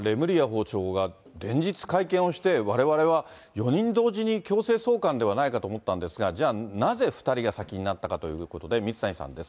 ４人同時に強制送還ではないかと思ったんですが、じゃあ、なぜ２人が先になったかということで、水谷さんです。